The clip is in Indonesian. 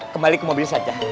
kembali ke mobil saja